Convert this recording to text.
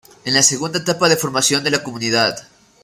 En la segunda etapa de formación de la comunidad.